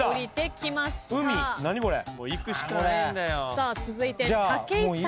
さあ続いて武井さん。